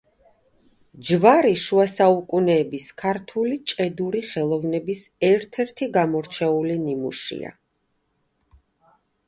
ჯვარი შუა საუკუნეების ქართული ჭედური ხელოვნების ერთ-ერთი გამორჩეული ნიმუშია.